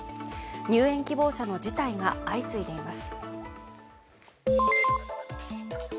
入園希望者の辞退が相次いでいます。